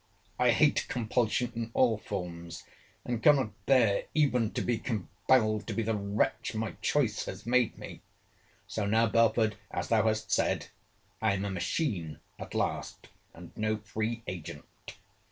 I hate compulsion in all forms; and cannot bear, even to be compelled to be the wretch my choice has made me! So now, Belford, as thou hast said, I am a machine at last, and no free agent.